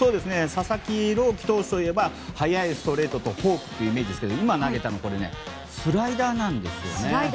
佐々木朗希投手といえば速いストレートとフォークというイメージですが今投げたのはスライダーなんですよ。